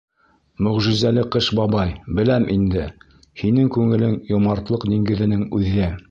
Мөғжизәле Ҡыш бабай, беләм инде: һинең күңелең — йомартлыҡ диңгеҙенең үҙе.